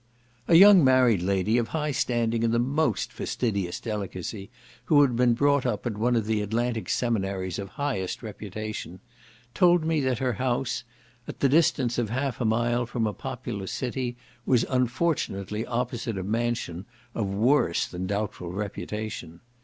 A young married lady, of high standing and most fastidious delicacy, who had been brought up at one of the Atlantic seminaries of highest reputation, told me that her house, at the distance of half a mile from a populous city, was unfortunately opposite a mansion of worse than doubtful reputation.